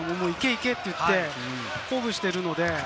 行け！と言って、鼓舞しているので。